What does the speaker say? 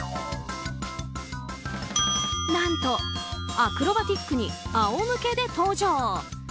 何とアクロバティックに仰向けで登場。